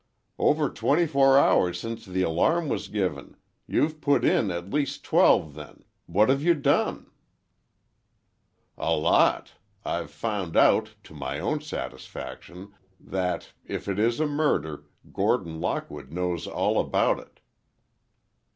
"Over twenty four hours since the alarm was given. You've put in at least twelve, then. What have you done?" "A lot. I've found out, to my own satisfaction, that—if it is a murder—Gordon Lockwood knows all about it."